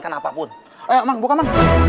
kok mereka gak ada